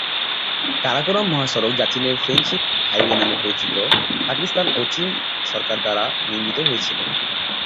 কারাকোরাম মহাসড়ক যা চীনের ফ্রেন্ডশিপ হাইওয়ে নামে পরিচিত, পাকিস্তান ও চীন সরকার দ্বারা নির্মিত হয়েছিল।